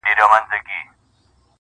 د ځوانۍ يوه نشه ده، هسي نه چي همېشه ده.